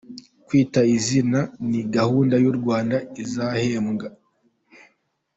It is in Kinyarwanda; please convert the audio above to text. Kwita Izina ni gahunda y’ u Rwanda izahembwa.